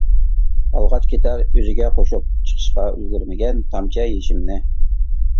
ئالغاچ كېتەر ئۆزىگە قوشۇپ، چىقىشقا ئۈلگۈرمىگەن تامچە يېشىمنى.